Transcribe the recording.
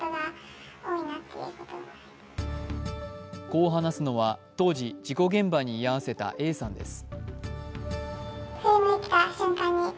こう話すのは、当時、事故現場に居合わせたＡさんです。